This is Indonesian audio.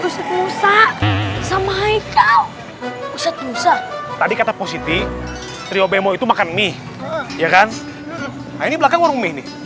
user rusa sama aiko pusat musa tadi kata positi triobemo itu makan mie ya kan ay verein